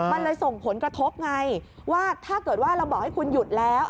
มันเลยส่งผลกระทบไงว่าถ้าเกิดว่าเราบอกให้คุณหยุดแล้ว